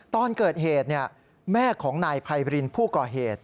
ตอนเกิดเหตุแม่ของนายไพบรินผู้ก่อเหตุ